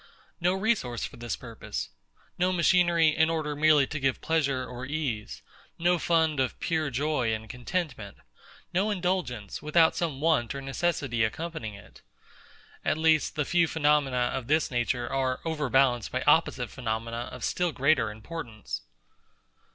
No resource for this purpose: no machinery, in order merely to give pleasure or ease: no fund of pure joy and contentment: no indulgence, without some want or necessity accompanying it. At least, the few phenomena of this nature are overbalanced by opposite phenomena of still greater importance.